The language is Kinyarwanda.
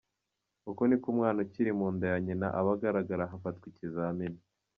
Uku niko umwana ukiri mu nda ya nyina aba agaragara hafatwa ikizamini.